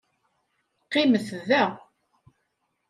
Qqimet da.